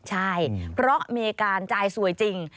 ใช่เพราะอเมริกาจ่ายสวยจริง